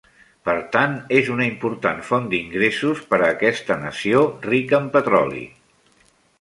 Per tant, és una important font d'ingressos per a aquesta nació rica en petroli.